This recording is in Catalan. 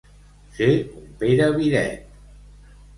Ser un Pere Viret.